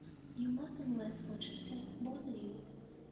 You mustn't let what she said bother you.